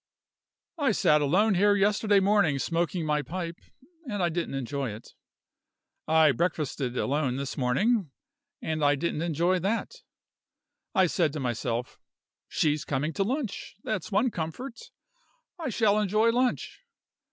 I sat alone here yesterday evening smoking my pipe and I didn't enjoy it. I breakfasted alone this morning and I didn't enjoy that. I said to myself, She's coming to lunch, that's one comfort I shall enjoy lunch.